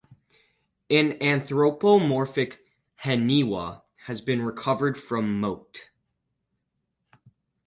An anthropomorphic "haniwa" has been recovered from moat.